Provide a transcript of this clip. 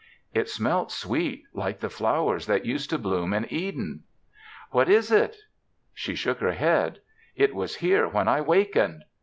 It smelt sweet like the flowers that used to bloom in Eden. "What is it?" She shook her head. "It was here when I wakened."